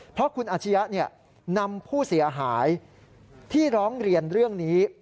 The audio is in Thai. เพราะคุณอาชียะนำผู้เสียหายที่ร้องเรียนเรื่องนี้